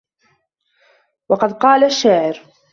وَقَالَ الشَّاعِرُ